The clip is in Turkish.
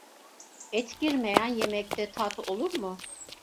Et girmeyen yemekte tat olur mu?